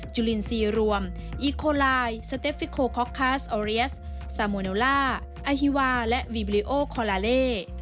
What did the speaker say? จุลินทรีย์รวมอีโคลายสเตฟฟิโคคอกคัสออเรียสซาโมโนล่าอาฮิวาและวีบริโอคอลาเล่